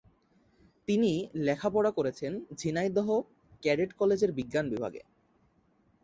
তিনি পড়ালেখা করেছেন ঝিনাইদহ ক্যাডেট কলেজের বিজ্ঞান বিভাগে।